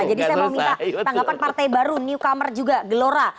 jadi saya mau minta tanggapan partai baru new comer juga gelora